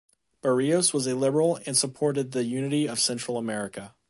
Barrios was a liberal and supported the unity of Central America.